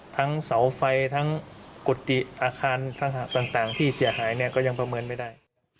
เสาไฟทั้งกุฏิอาคารต่างที่เสียหายเนี่ยก็ยังประเมินไม่ได้